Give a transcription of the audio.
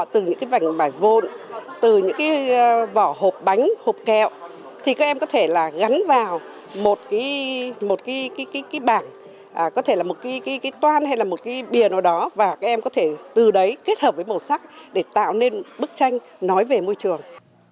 từ những cái vành bài vôn từ những cái vỏ hộp bánh hộp kẹo thì các em có thể là gắn vào một cái bảng có thể là một cái toan hay là một cái bìa nào đó và các em có thể từ đấy kết hợp với màu sắc để tạo nên bức tranh nói về môi trường